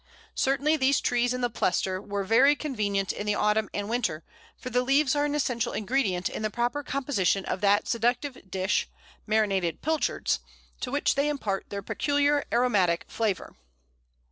Certainly, these trees in the plestor were very convenient in the autumn and winter, for the leaves are an essential ingredient in the proper composition of that seductive dish, marinated pilchards, to which they impart their peculiar aromatic flavour.